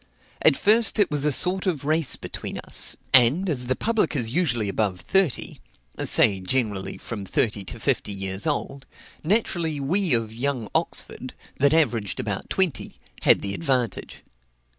At first it was a sort of race between us; and, as the public is usually above thirty, (say generally from thirty to fifty years old,) naturally we of young Oxford, that averaged about twenty, had the advantage.